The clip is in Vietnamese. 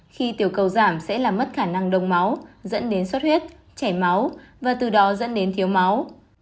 khi tiểu cầu giảm sẽ làm mất khả năng đồng máu dẫn đến xuất huyết chảy máu và từ đó dẫn đến thiếu máu